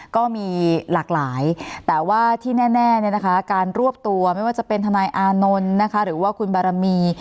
ก็มีหลากหลายแต่ว่าที่แน่การรวบตัวไม่ว่าจะเป็นทนายอานนท์นะคะหรือว่าคุณบารมี